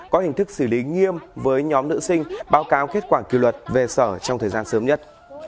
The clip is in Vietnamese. có hình thức xử lý nghiêm với nhóm nữ sinh báo cáo kết quả kỳ luật về sở trong thời gian sớm nhất